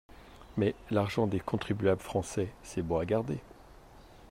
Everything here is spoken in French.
Mais l'argent des contribuables français, c'est bon à garder.